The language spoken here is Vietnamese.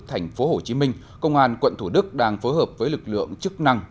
thành phố hồ chí minh công an quận thủ đức đang phối hợp với lực lượng chức năng